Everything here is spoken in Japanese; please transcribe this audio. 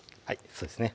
そうですね